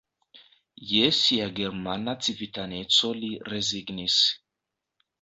Je sia germana civitaneco li rezignis.